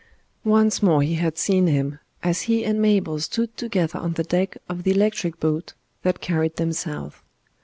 Once more he had seen Him, as he and Mabel stood together on the deck of the electric boat that carried them south.